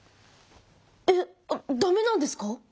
えっだめなんですか？